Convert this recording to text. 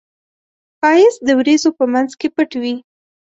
ښایست د وریځو په منځ کې پټ وي